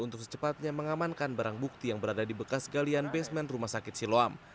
untuk secepatnya mengamankan barang bukti yang berada di bekas galian basement rumah sakit siloam